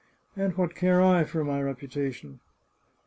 And what care I for my reputation